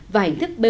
và hành thức bot